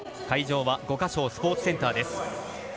会場は五か松スポーツセンターです。